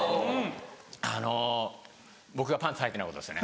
あの僕がパンツはいてないことですよね。